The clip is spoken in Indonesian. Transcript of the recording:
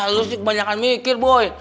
lu sih kebanyakan mikir